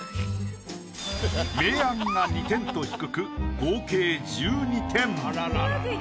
明暗が２点と低く合計１２点。